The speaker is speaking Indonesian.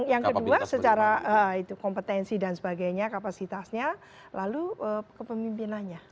yang kedua secara kompetensi dan sebagainya kapasitasnya lalu kepemimpinannya